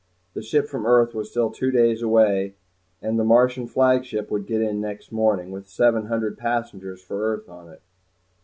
The ship from Earth was still two days away, and the Martian flagship would get in next morning, with seven hundred passengers for Earth on it.